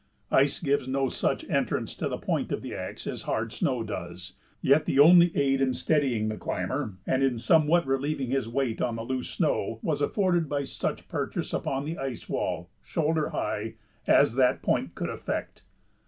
Ice gives no such entrance to the point of the axe as hard snow does, yet the only aid in steadying the climber, and in somewhat relieving his weight on the loose snow, was afforded by such purchase upon the ice wall, shoulder high, as that point could effect.